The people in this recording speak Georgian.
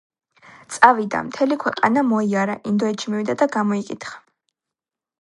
წავიდა, მთელი ქვეყანა მოიარა, ინდოეთში მივიდა და გამოიკითხა